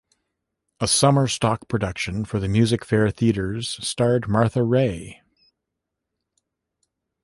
A summer stock production for the Music Fair theatres starred Martha Raye.